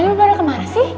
lo berapaan kemana sih